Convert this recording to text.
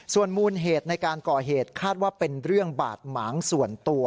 ส่วนมูลเหตุในการก่อเหตุคาดว่าเป็นเรื่องบาดหมางส่วนตัว